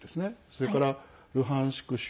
それから、ルハンシク州。